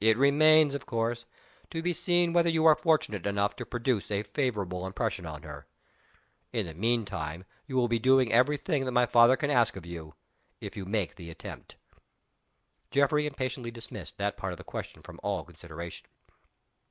It remains, of course, to be seen whether you are fortunate enough to produce a favorable impression on her. In the mean time you will be doing every thing that my father can ask of you, if you make the attempt." Geoffrey impatiently dismissed that part of the question from all consideration.